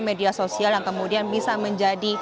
media sosial yang kemudian bisa menjadi